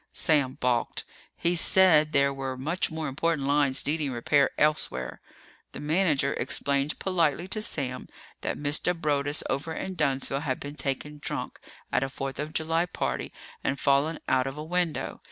Sam balked. He said there were much more important lines needing repair elsewhere. The manager explained politely to Sam that Mr. Broaddus over in Dunnsville had been taken drunk at a Fourth of July party and fallen out of a window.